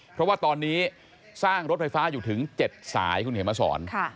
เพราะว่าตอนนี้สร้างรถไฟฟ้าอยู่ถึง๗สายคุณเขียนมาสอน